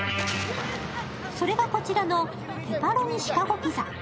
それがこちらのペパロニシカゴピザ。